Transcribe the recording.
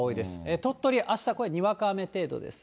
鳥取、あしたこれ、にわか雨程度です。